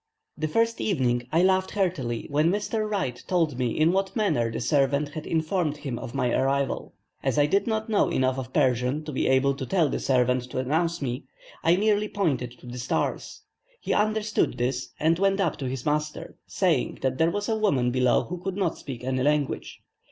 The first evening I laughed heartily when Mr. Wright told me in what manner the servant had informed him of my arrival. As I did not know enough of Persian to be able to tell the servant to announce me, I merely pointed to the stairs. He understood this, and went up to his master, saying that there was a woman below who could not speak any language.